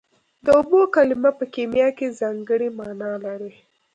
د اوبو کلمه په کیمیا کې ځانګړې مانا لري